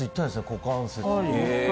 股関節が。